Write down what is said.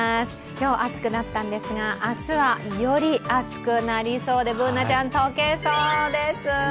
今日、暑くなったんですが明日はより暑くなりそうでＢｏｏｎａちゃん、溶けそうです。